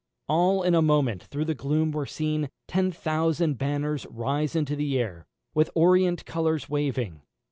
All in a moment through the gloom were seen Ten thousand banners rise into the air, With orient colours waving.